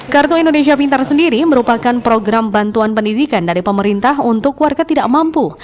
kartu indonesia pintar sendiri merupakan program bantuan pendidikan dari pemerintah untuk warga tidak mampu